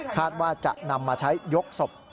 ว่าจะนำมาใช้ยกศพ